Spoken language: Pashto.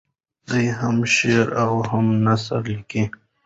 دی هم شعر او هم نثر لیکي.